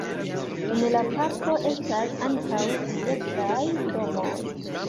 En la parko estas ankaŭ diversaj domoj.